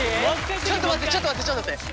ちょっと待ってちょっと待ってちょっと待って。